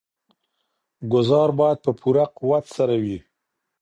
ګوزار باید په پوره قوت سره وي.